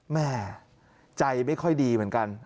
แม่ใจไม่ค่อยดีเหมือนกัน